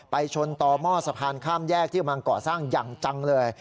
ชนต่อหม้อสะพานข้ามแยกที่กำลังก่อสร้างอย่างจังเลย